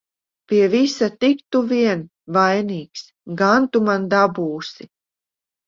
Pie visa tik tu vien vainīgs! Gan tu man dabūsi!